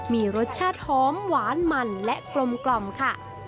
มีรสชาติหอมหวานมันและกลมค่ะ